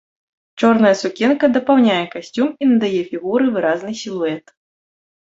Чорная сукенка дапаўняе касцюм і надае фігуры выразны сілуэт.